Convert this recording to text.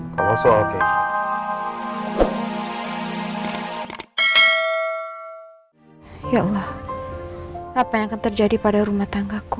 kalo soal kejahat